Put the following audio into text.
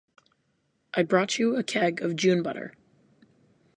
I brought you a keg of June butter.